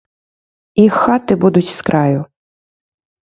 Іх хаты будуць с краю.